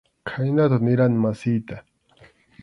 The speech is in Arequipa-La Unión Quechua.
Khaynata nirqani masiyta.